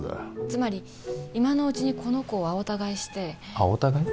つまり今のうちにこの子を青田買いして青田買い？